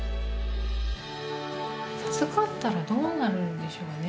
授かったらどうなるんでしょうね。